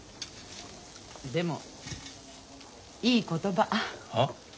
でもいい言葉。は？